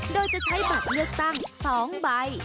โดยจะใช้บัตรเลือกตั้ง๒ใบ